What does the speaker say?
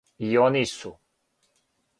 И они су.